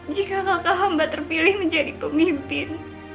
jika kakak hamba terpilih menjadi pemimpin